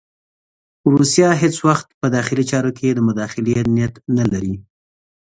روسیه هېڅ وخت په داخلي چارو کې د مداخلې نیت نه لري.